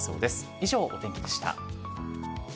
以上、お天気でした。